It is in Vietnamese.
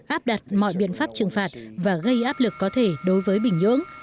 áp đặt mọi biện pháp trừng phạt và gây áp lực có thể đối với bình nhưỡng